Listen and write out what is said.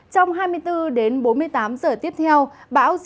trong hai mươi bốn đến bốn mươi tám giờ tiếp theo bão